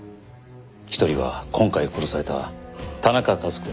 一人は今回殺された田中和子。